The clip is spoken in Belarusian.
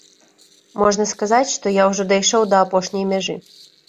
Можна сказаць, што я ўжо дайшоў да апошняй мяжы.